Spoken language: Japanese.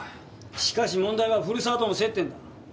しかし問題は古沢との接点だ。